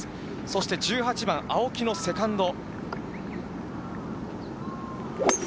そして、１８番、青木のセカンド。